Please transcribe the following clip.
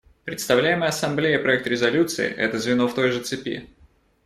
Представляемый Ассамблее проект резолюции — это звено в той же цепи.